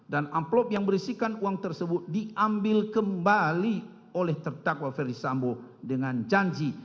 dan amplok yang berisikan uang tersebut diambil kembali oleh terdakwa ferdi sambo dengan janji